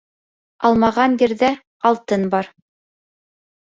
Алмаған ерҙә алтын бар